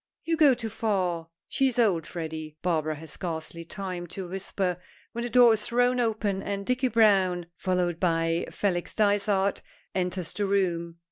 "You go too far; she is old, Freddy," Barbara has scarcely time to whisper, when the door is thrown open, and Dicky Browne, followed by Felix Dysart, enters the room.